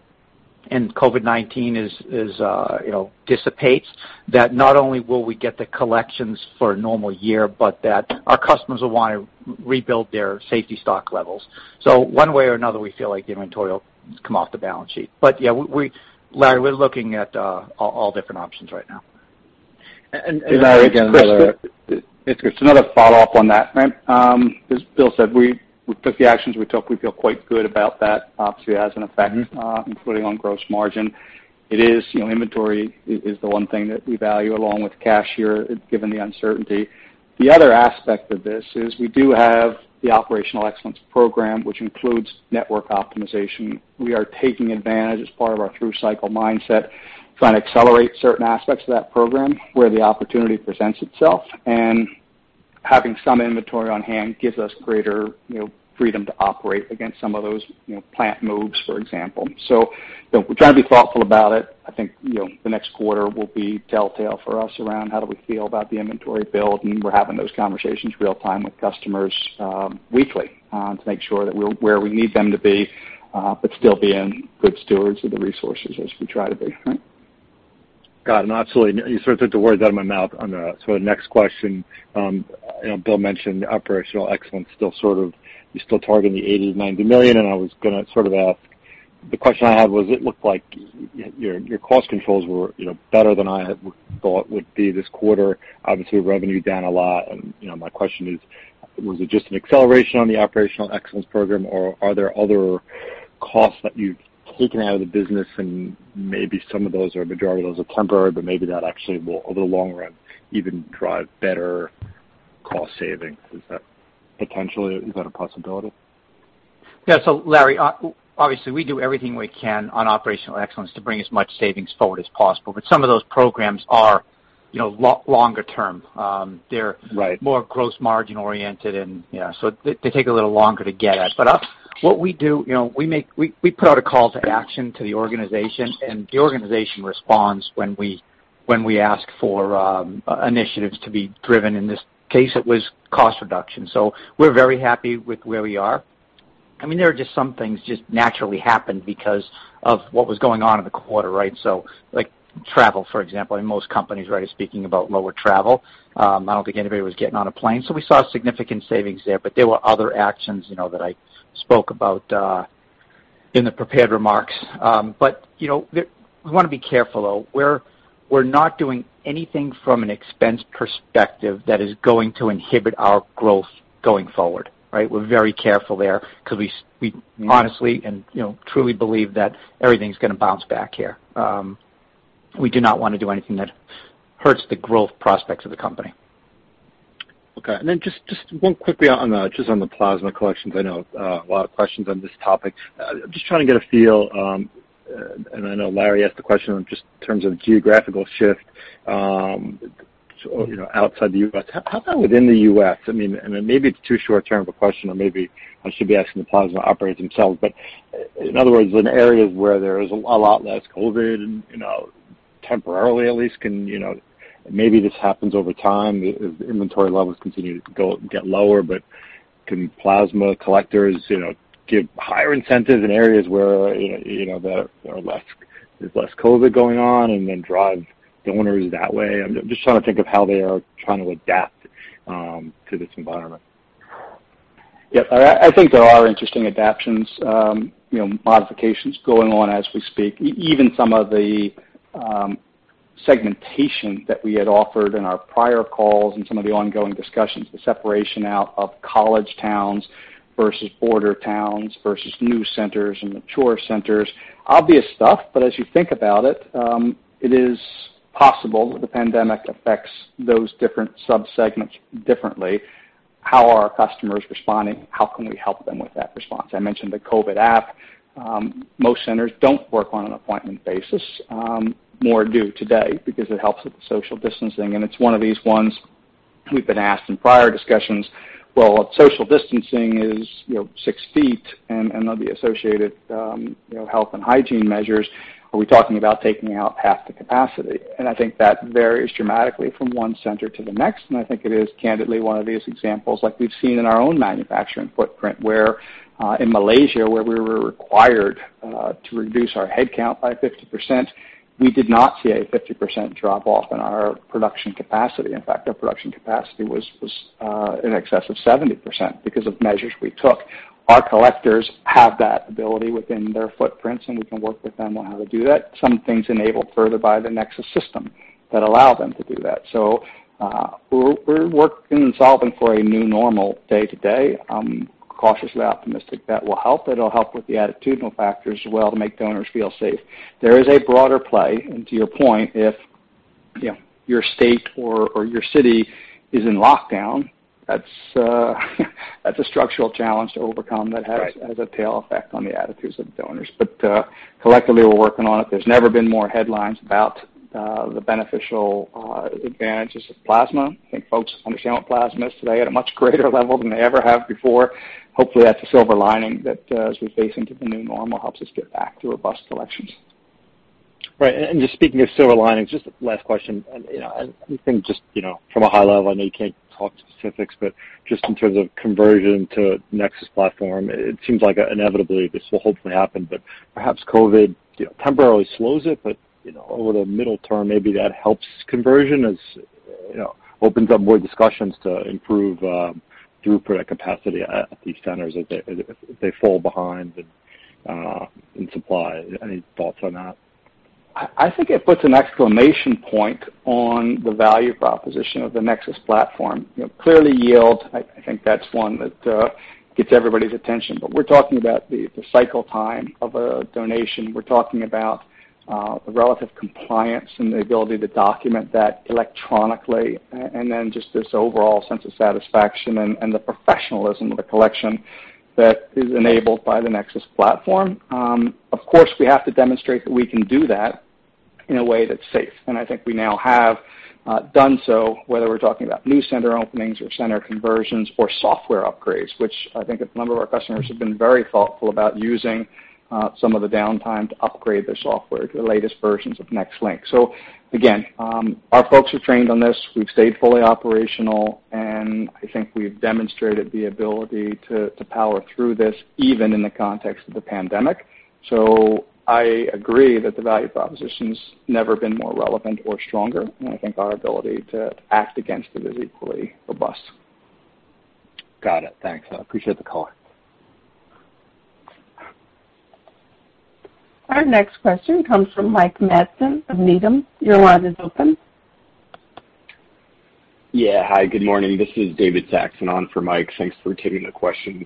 and COVID-19 dissipates, that not only will we get the collections for a normal year, but that our customers will want to rebuild their safety stock levels. One way or another, we feel like the inventory will come off the balance sheet. Yeah, Larry, we're looking at all different options right now. Larry, it's another follow-up on that. As Bill said, we took the actions we took. We feel quite good about that. Obviously, it has an effect, including on gross margin. Inventory is the one thing that we value along with cash here, given the uncertainty. The other aspect of this is we do have the Operational Excellence Program, which includes network optimization. We are taking advantage as part of our through-cycle mindset, trying to accelerate certain aspects of that program where the opportunity presents itself. Having some inventory on hand gives us greater freedom to operate against some of those plant moves, for example. We're trying to be thoughtful about it. I think the next quarter will be telltale for us around how do we feel about the inventory build, and we're having those conversations real time with customers weekly to make sure that we're where we need them to be, but still being good stewards of the resources as we try to be. Got it. Absolutely, you sort of took the words out of my mouth on the next question. Bill mentioned operational excellence, you're still targeting the $80 million, $90 million. I was going to ask, the question I had was, it looked like your cost controls were better than I had thought would be this quarter. Obviously, revenue down a lot. My question is, was it just an acceleration on the operational excellence program, or are there other costs that you've taken out of the business, and maybe some of those, or the majority of those are temporary, but maybe that actually will, over the long run, even drive better cost savings? Is that a possibility? Yeah. Larry, obviously, we do everything we can on operational excellence to bring as much savings forward as possible, but some of those programs are longer term. Right. They're more gross margin oriented and so they take a little longer to get at. What we do, we put out a call to action to the organization, and the organization responds when we ask for initiatives to be driven. In this case, it was cost reduction. We're very happy with where we are. There are just some things just naturally happened because of what was going on in the quarter. Like travel, for example, and most companies are already speaking about lower travel. I don't think anybody was getting on a plane. We saw significant savings there, but there were other actions that I spoke about in the prepared remarks. We want to be careful, though. We're not doing anything from an expense perspective that is going to inhibit our growth going forward. We're very careful there because we honestly and truly believe that everything's going to bounce back here. We do not want to do anything that hurts the growth prospects of the company. Okay. Just one quickly on the plasma collections. I know a lot of questions on this topic. Just trying to get a feel. I know Larry asked the question just in terms of geographical shift outside the U.S. How about within the U.S.? Maybe it's too short-term of a question, or maybe I should be asking the plasma operators themselves. In other words, in areas where there is a lot less COVID, temporarily at least, maybe this happens over time as inventory levels continue to get lower, but can plasma collectors give higher incentives in areas where there's less COVID going on and then drive donors that way? I'm just trying to think of how they are trying to adapt to this environment. Yeah. I think there are interesting adaptations, modifications going on as we speak. Even some of the segmentation that we had offered in our prior calls and some of the ongoing discussions, the separation out of college towns versus border towns versus new centers and mature centers. As you think about it is possible that the pandemic affects those different sub-segments differently. How are our customers responding? How can we help them with that response? I mentioned the COVID app. Most centers don't work on an appointment basis. More do today because it helps with the social distancing, and it's one of these ones. We've been asked in prior discussions, well, if social distancing is six feet and there'll be associated health and hygiene measures, are we talking about taking out half the capacity? I think that varies dramatically from one center to the next, and I think it is candidly one of these examples like we've seen in our own manufacturing footprint, where in Malaysia, where we were required to reduce our headcount by 50%, we did not see a 50% drop-off in our production capacity. In fact, our production capacity was in excess of 70% because of measures we took. Our collectors have that ability within their footprints, and we can work with them on how to do that. Some things enabled further by the NexSys system that allow them to do that. We're working and solving for a new normal day-to-day. I'm cautiously optimistic that will help. It'll help with the attitudinal factor as well to make donors feel safe. There is a broader play, and to your point, if your state or your city is in lockdown, that's a structural challenge to overcome a tail effect on the attitudes of the donors. Collectively, we're working on it. There's never been more headlines about the beneficial advantages of plasma. I think folks understand what plasma is today at a much greater level than they ever have before. Hopefully, that's a silver lining that, as we face into the new normal, helps us get back to robust collections. Right. Just speaking of silver linings, just last question. Anything just from a high level, I know you can't talk specifics, but just in terms of conversion to NexSys PCS platform, it seems like inevitably this will hopefully happen, but perhaps COVID temporarily slows it, but over the middle term, maybe that helps conversion as opens up more discussions to improve throughput or capacity at these centers if they fall behind in supply. Any thoughts on that? I think it puts a period on the value proposition of the NexSys PCS platform. Clearly, yield, I think that's one that gets everybody's attention. We're talking about the cycle time of a donation. We're talking about the relative compliance and the ability to document that electronically, and then just this overall sense of satisfaction and the professionalism of the collection that is enabled by the NexSys PCS platform. Of course, we have to demonstrate that we can do that in a way that's safe, and I think we now have done so, whether we're talking about new center openings or center conversions or software upgrades, which I think a number of our customers have been very thoughtful about using some of the downtime to upgrade their software to the latest versions of NexLynk DMS. Again, our folks are trained on this. We've stayed fully operational, I think we've demonstrated the ability to power through this even in the context of the pandemic. I agree that the value proposition's never been more relevant or stronger, and I think our ability to act against it is equally robust. Got it. Thanks. I appreciate the color. Our next question comes from Mike Matson of Needham. Your line is open. Yeah. Hi, good morning. This is David Saxon on for Mike. Thanks for taking the questions.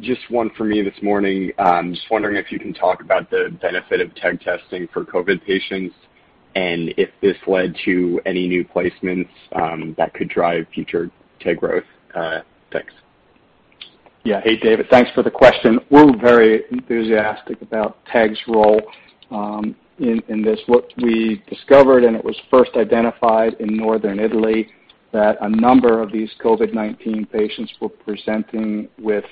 Just one for me this morning. Just wondering if you can talk about the benefit of TEG testing for COVID patients and if this led to any new placements that could drive future TEG growth. Thanks. Yeah. Hey, David. Thanks for the question. We're very enthusiastic about TEG's role in this. What we discovered, and it was first identified in Northern Italy, that a number of these COVID-19 patients were presenting with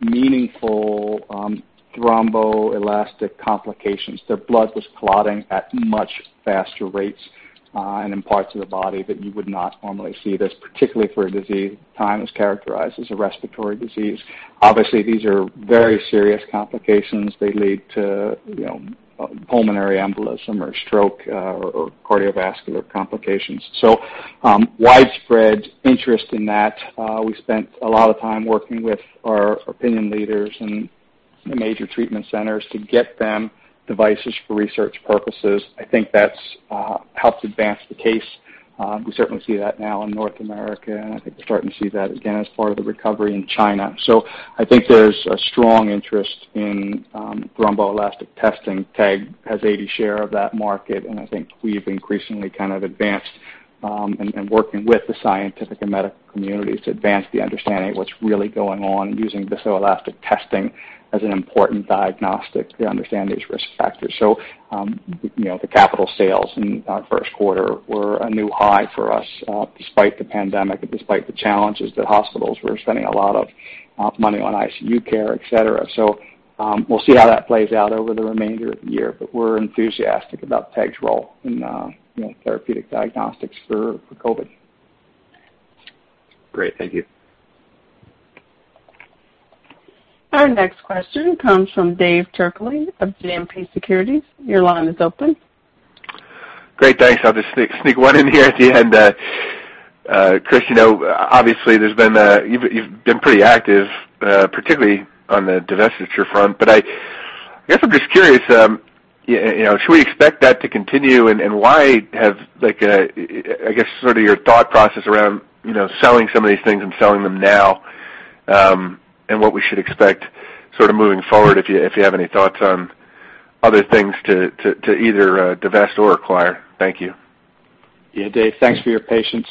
meaningful thromboelastic complications. Their blood was clotting at much faster rates, and in parts of the body that you would not normally see this, particularly for a disease at the time was characterized as a respiratory disease. Obviously, these are very serious complications. They lead to pulmonary embolism or stroke or cardiovascular complications. Widespread interest in that. We spent a lot of time working with our opinion leaders and the major treatment centers to get them devices for research purposes. I think that's helped advance the case. We certainly see that now in North America, and I think we're starting to see that again as part of the recovery in China. I think there's a strong interest in thromboelastic testing. TEG has 80% share of that market, and I think we've increasingly advanced in working with the scientific and medical communities to advance the understanding of what's really going on using viscoelastic testing as an important diagnostic to understand these risk factors. The capital sales in our first quarter were a new high for us despite the pandemic and despite the challenges that hospitals were spending a lot of money on ICU care, et cetera. We'll see how that plays out over the remainder of the year, but we're enthusiastic about TEG's role in therapeutic diagnostics for COVID. Great. Thank you. Our next question comes from David Turkaly of JMP Securities. Your line is open. Great. Thanks. I'll just sneak one in here at the end. Chris, obviously, you've been pretty active, particularly on the divestiture front. I guess I'm just curious, should we expect that to continue, and I guess sort of your thought process around selling some of these things and selling them now, and what we should expect sort of moving forward, if you have any thoughts on other things to either divest or acquire. Thank you. Dave. Thanks for your patience.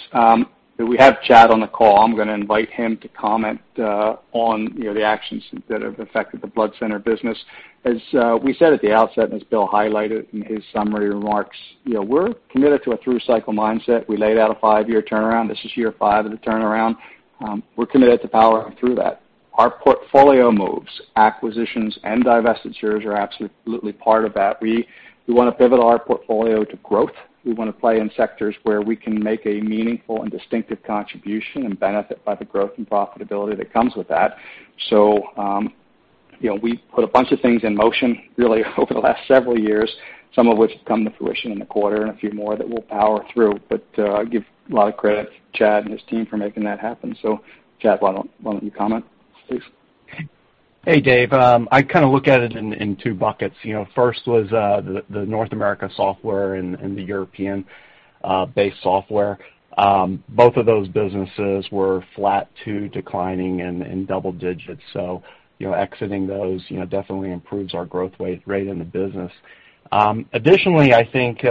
We have Chad on the call. I'm going to invite him to comment on the actions that have affected the blood center business. As we said at the outset, as Bill highlighted in his summary remarks, we're committed to a through-cycle mindset. We laid out a five-year turnaround. This is year five of the turnaround. We're committed to powering through that. Our portfolio moves, acquisitions and divestitures are absolutely part of that. We want to pivot our portfolio to growth. We want to play in sectors where we can make a meaningful and distinctive contribution and benefit by the growth and profitability that comes with that. We put a bunch of things in motion really over the last several years, some of which come to fruition in the quarter and a few more that we'll power through. I give a lot of credit to Chad and his team for making that happen. Chad, why don't you comment, please? Hey, Dave. I look at it in two buckets. First was the North America software and the European-based software. Both of those businesses were flat to declining in double digits. Exiting those definitely improves our growth rate in the business. Additionally, I think,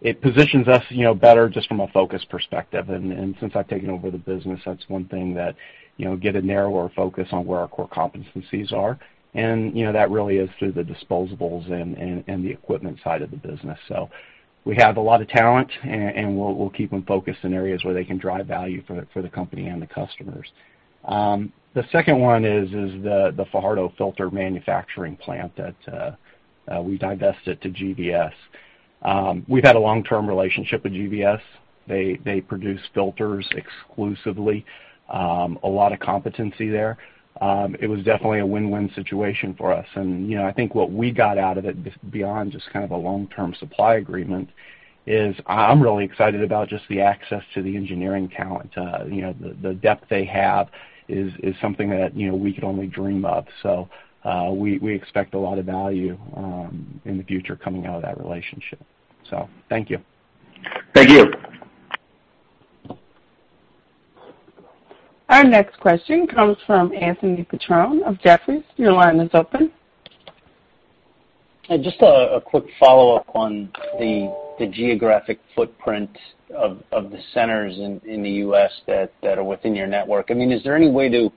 it positions us better just from a focus perspective. Since I've taken over the business, that's one thing that get a narrower focus on where our core competencies are, and that really is through the disposables and the equipment side of the business. We have a lot of talent, and we'll keep them focused in areas where they can drive value for the company and the customers. The second one is the Fajardo filter manufacturing plant that we divested to GVS. We've had a long-term relationship with GVS. They produce filters exclusively, a lot of competency there. It was definitely a win-win situation for us. I think what we got out of it, beyond just a long-term supply agreement, is I'm really excited about just the access to the engineering talent. The depth they have is something that we could only dream of. We expect a lot of value in the future coming out of that relationship. Thank you. Thank you. Our next question comes from Anthony Petrone of Jefferies. Your line is open. Just a quick follow-up on the geographic footprint of the centers in the U.S. that are within your network. Is there any way to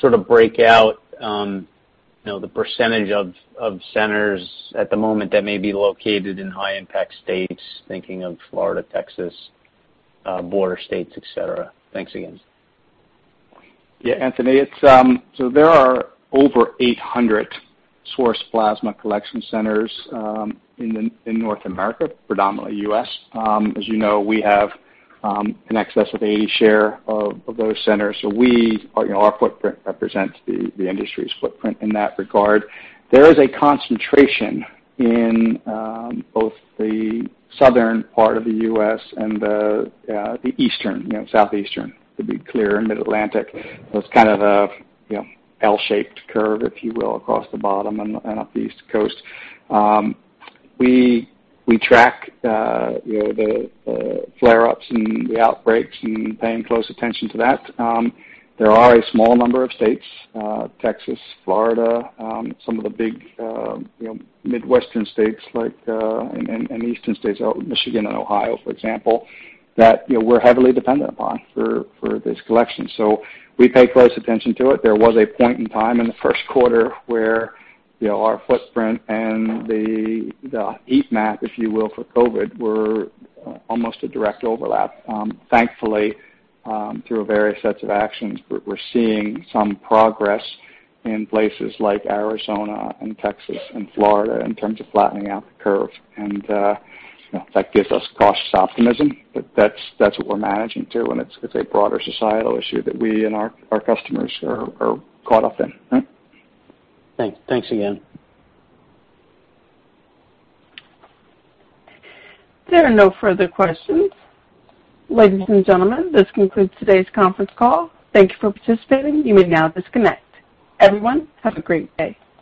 sort of break out the percentage of centers at the moment that may be located in high-impact states, thinking of Florida, Texas, border states, et cetera? Thanks again. Anthony. There are over 800 source plasma collection centers in North America, predominantly U.S. As you know, we have in excess of 80% share of those centers. Our footprint represents the industry's footprint in that regard. There is a concentration in both the southern part of the U.S. and the eastern, southeastern, to be clear, and mid-Atlantic. It's kind of a L-shaped curve, if you will, across the bottom and up the East Coast. We track the flare-ups and the outbreaks and paying close attention to that. There are a small number of states, Texas, Florida, some of the big Midwestern states and eastern states, Michigan and Ohio, for example, that we're heavily dependent upon for this collection. We pay close attention to it. There was a point in time in the first quarter where our footprint and the heat map, if you will, for COVID, were almost a direct overlap. Thankfully, through various sets of actions, we're seeing some progress in places like Arizona and Texas and Florida in terms of flattening out the curve. That gives us cautious optimism. That's what we're managing to, and it's a broader societal issue that we and our customers are caught up in, right? Thanks again. There are no further questions. Ladies and gentlemen, this concludes today's conference call. Thank you for participating. You may now disconnect. Everyone, have a great day.